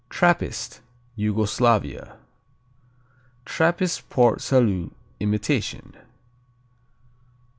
Trappist Yugoslavia Trappist Port Salut imitation.